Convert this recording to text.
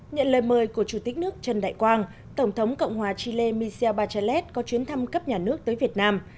nhận lời mời của chủ tịch nước trần đại quang tổng thống cộng hòa chile micel bachallet có chuyến thăm cấp nhà nước tới việt nam